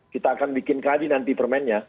kita akan bikin kali nanti permainnya